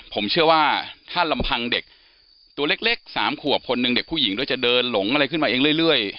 ผมเชื่อว่าถ้าลำพังเด็กตัวเล็ก๓ขวบคนหนึ่งเด็กผู้หญิงด้วยจะเดินหลงอะไรขึ้นมาเองเรื่อย